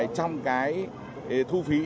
trong cái thu phí